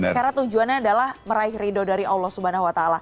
karena tujuannya adalah meraih ridho dari allah swt